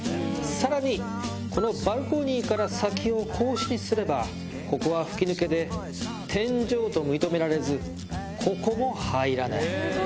さらにこのバルコニーから先を格子にすればここは吹き抜けで天井と認められずここも入らない。